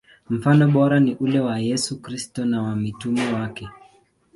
Mfano bora ni ule wa Yesu Kristo na wa mitume wake.